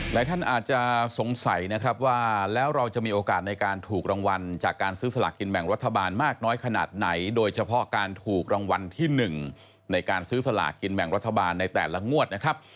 ท่านอาจจะสงสัยนะครับว่าแล้วเราจะมีโอกาสในการถูกรางวัลจากการซื้อสลากกินแบ่งรัฐบาลมากน้อยขนาดไหนโดยเฉพาะการถูกรางวัลที่๑ในการซื้อสลากกินแบ่งรัฐบาลในแต่ละงวดนะครับ